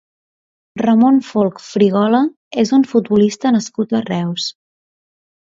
Ramon Folch Frigola és un futbolista nascut a Reus.